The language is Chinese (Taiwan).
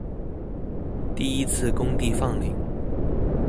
第一次公地放領